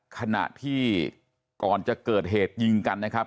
ขณะที่ก่อนจะเกิดเหตุยิงกันนะครับ